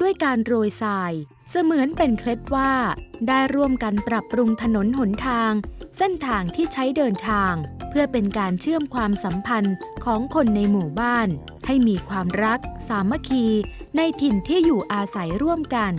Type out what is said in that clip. ด้วยการโรยสายเสมือนเป็นเคล็ดว่าได้ร่วมกันปรับปรุงถนนหนทางเส้นทางที่ใช้เดินทางเพื่อเป็นการเชื่อมความสัมพันธ์ของคนในหมู่บ้านให้มีความรักสามัคคีในถิ่นที่อยู่อาศัยร่วมกัน